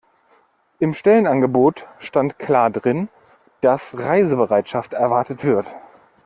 Im Stellenangebot stand klar drin, dass Reisebereitschaft erwartet wird.